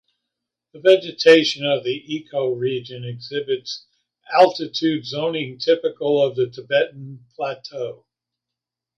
The vegetation of the ecoregion exhibits altitude zoning typical to the Tibetan Plateau.